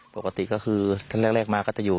ปกติก็คือท่านแรกมาก็จะอยู่